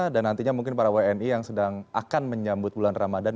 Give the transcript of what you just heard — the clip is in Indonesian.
dan nantinya mungkin para wni yang sedang akan menyambut bulan ramadhan